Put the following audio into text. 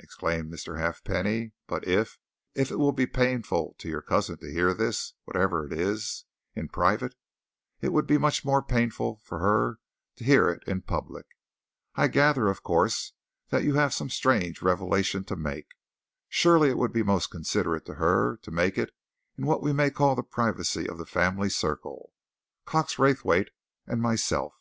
exclaimed Mr. Halfpenny. "But if if it will be painful for your cousin to hear this whatever it is in private, it would be much more painful for her to hear it in public. I gather, of course, that you have some strange revelation to make. Surely, it would be most considerate to her to make it in what we may call the privacy of the family circle, Cox Raythwaite and myself."